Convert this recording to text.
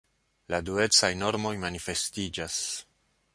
La duecaj normoj manifestiĝas.